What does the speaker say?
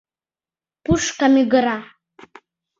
Пушка мӱгыра.